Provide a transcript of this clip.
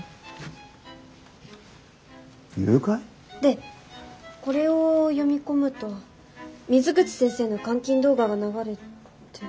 誘拐？でこれを読み込むと水口先生の監禁動画が流れて。